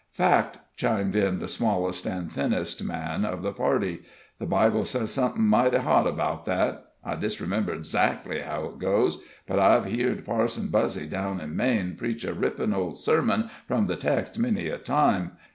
"Fact," chimed in the smallest and thinnest man of the party. "The Bible says somethin' mighty hot 'bout that. I disremember dzackly how it goes; but I've heerd Parson Buzzy, down in Maine, preach a rippin' old sermon from that text many a time.